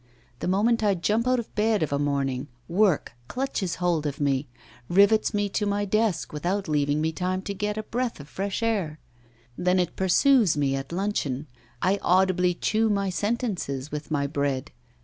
The moment I jump out of bed of a morning, work clutches hold of me, rivets me to my desk without leaving me time to get a breath of fresh air; then it pursues me at luncheon I audibly chew my sentences with my bread.